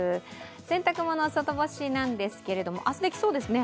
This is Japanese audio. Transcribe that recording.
洗濯物、外干しなんですけれども明日できそうですね。